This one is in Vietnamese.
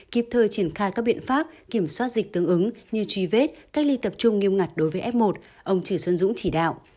kịp thời triển khai các biện pháp kiểm soát dịch tương ứng như truy vết cách ly tập trung nghiêm ngặt đối với f một ông trừ xuân dũng chỉ đạo